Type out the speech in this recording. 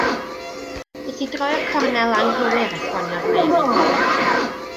Wnes i droi'r cornel anghywir, esboniodd Mary.